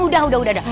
udah udah udah